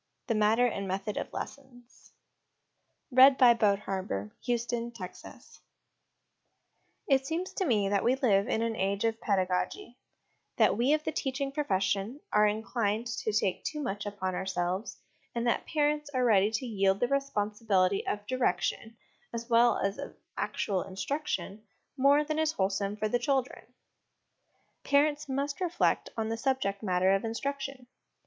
PART V LESSONS AS INSTRUMENTS OF EDUCATION I. THE MATTER AND METHOD OF LESSONS It seems to me that we live in an age of pedagogy ; that we of the teaching profession are inclined to take too much upon ourselves, and that parents are ready to yield the responsibility of direction, as well as of actual instruction, more than is wholesome for the children. Parents must reflect on the Subject matter of Instruction.